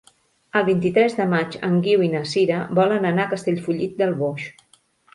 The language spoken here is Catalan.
El vint-i-tres de maig en Guiu i na Sira volen anar a Castellfollit del Boix.